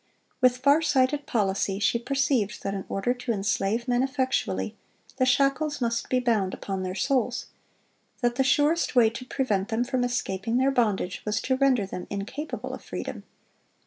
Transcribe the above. With far sighted policy she perceived that in order to enslave men effectually, the shackles must be bound upon their souls; that the surest way to prevent them from escaping their bondage was to render them incapable of freedom.